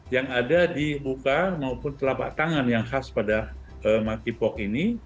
yang ada di buka maupun telapak tangan yang khas pada monkeypox ini